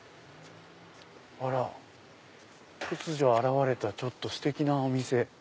あら？突如現れたステキなお店。